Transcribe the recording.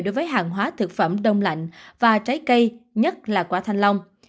đối với hàng hóa thực phẩm đông lạnh và trái cây nhất là quả thanh long